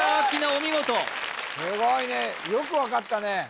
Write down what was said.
お見事すごいねよく分かったね